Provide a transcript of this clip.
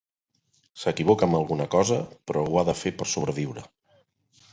S'equivoca amb alguna cosa, però ho ha de fer per sobreviure.